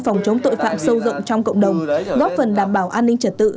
phòng chống tội phạm sâu rộng trong cộng đồng góp phần đảm bảo an ninh trật tự